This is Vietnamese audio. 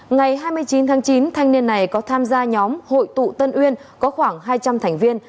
ngày hai mươi chín tháng chín thanh niên này có tham gia nhóm hội tụ tân uyên có khoảng hai trăm linh thành viên